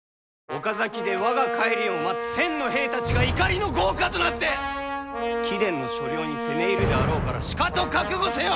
岡崎で我が帰りを待つ１，０００の兵たちが怒りの業火となって貴殿の所領に攻め入るであろうからしかと覚悟せよ！